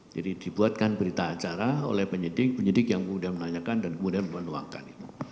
jadi dibuatkan berita acara oleh penyidik yang kemudian menanyakan dan kemudian meluangkan